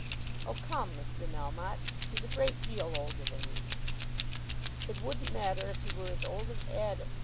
"Oh, come, Mr. Melmotte; he's a great deal older than me." "It wouldn't matter if he were as old as Adam.